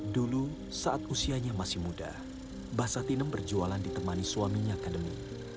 dulu saat usianya masih muda mbah satinem berjualan ditemani suaminya akademi